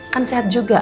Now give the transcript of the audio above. kan sehat juga